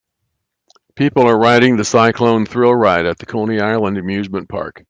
People are riding the Cyclone thrill ride at the Coney Island amusement park.